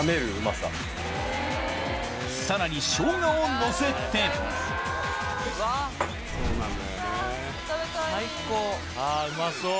さらにショウガをのせてあうまそう！